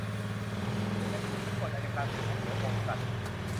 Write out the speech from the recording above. อันนี้ไม่พูดถึงกฎอัยการศึกนะ เดี๋ยวงงกัน